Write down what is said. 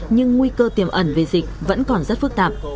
nhưng nguy cơ tiềm ẩn về dịch vẫn còn rất phức tạp